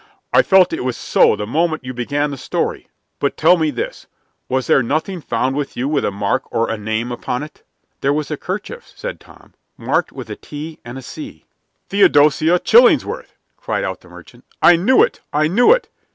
"I felt it was so the moment you began the story. But tell me this, was there nothing found with you with a mark or a name upon it?" "There was a kerchief," said Tom, "marked with a T and a C." "Theodosia Chillingsworth!" cried out the merchant. "I knew it! I knew it!